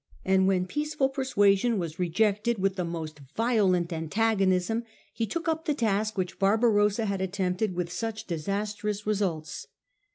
And when peaceful persuasion was rejected with the most violent antagonism, he took up the task which Barbarossa had attempted with such disastrous results.